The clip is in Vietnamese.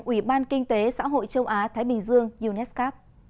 ủy ban kinh tế xã hội châu á thái bình dương unesco